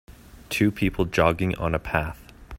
Two people jogging on a path.